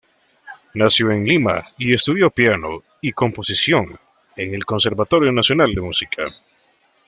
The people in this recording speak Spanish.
Nació en Lima y estudió piano y composición en el Conservatorio Nacional de Música.